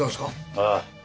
ああ。